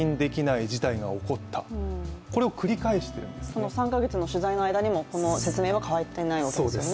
この３か月の間にも、この説明は変わっていないわけですよね。